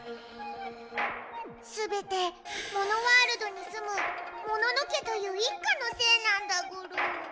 すべてモノワールドにすむモノノ家という一家のせいなんだゴロ。